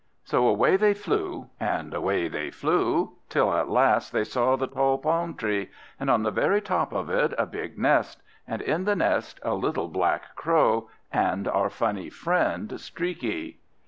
So away they flew, and away they flew, till at last they saw the tall palm tree; and on the very top of it, a big nest; and in the nest, a little black Crow, and our funny friend Streaky.